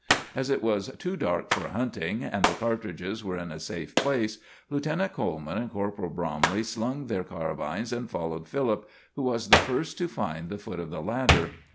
As it was too dark for hunting, and the cartridges were in a safe place, Lieutenant Coleman and Corporal Bromley slung their carbines and followed Philip, who was the first to find the foot of the ladder.